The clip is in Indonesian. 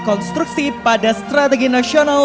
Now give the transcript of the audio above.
konstruksi pada strategi nasional